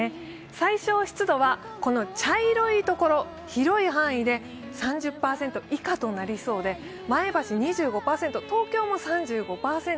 最少湿度は茶色いところ、広い範囲で３０％以下となりそうで、前橋２５％東京も３５％。